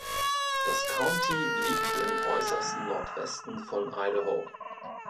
Das County liegt im äußersten Nordwesten von Idaho.